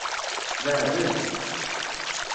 Beɛdent.